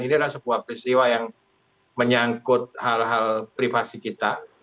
inilah sebuah peristiwa yang menyangkut hal hal privasi kita